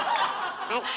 はい。